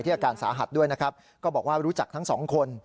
อาการสาหัสด้วยนะครับก็บอกว่ารู้จักทั้งสองคน